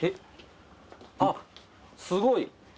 あっすごい！